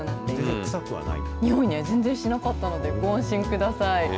臭いね、全然しなかったので、ご安心ください。